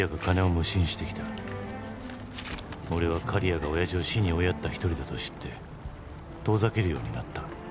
「俺は刈谷が親父を死に追いやった一人だと知って遠ざけるようになった」